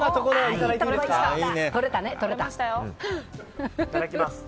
いただきます。